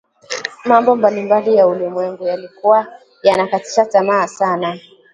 mambo mbalimbali ya ulimwengu, yalikua yanakatisha tamaa sana